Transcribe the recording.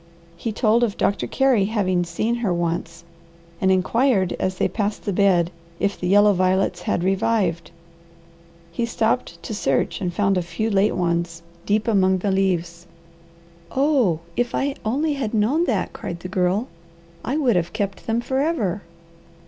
He told of Doctor Carey having seen her once, and inquired as they passed the bed if the yellow violets had revived. He stopped to search and found a few late ones, deep among the leaves. "Oh if I only had known that!" cried the Girl, "I would have kept them forever."